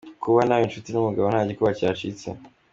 Kuba naba inshuti n’umugabo nta gikuba cyacitse.